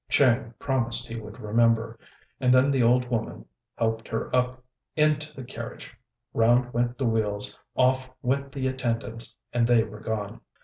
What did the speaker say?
Chang promised he would remember; and then the old woman helped her up into the carriage, round went the wheels, off went the attendants, and they were gone.